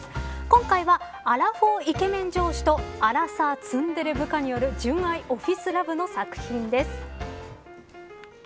今回はアラフォーイケメン上司とアラサーツンデレ部下による純愛オフィスラブの作品です。